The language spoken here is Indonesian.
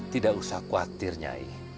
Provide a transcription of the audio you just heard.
tidak usah khawatir nyai